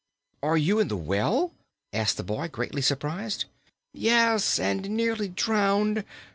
"Are you in the well?" asked the boy, greatly surprised. "Yes, and nearly drowned.